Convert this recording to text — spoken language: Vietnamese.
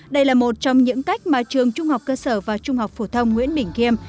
đây là một trong những cách mà trường trung học cơ sở và trung học phổ thông nguyễn bình khiêm